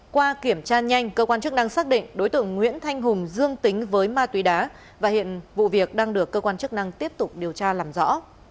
qua kiểm tra nhanh cơ quan chức năng xác định đối tượng nguyễn thanh hùng dương tính với ma túy đá và hiện vụ việc đang được cơ quan chức năng tiếp tục điều tra làm rõ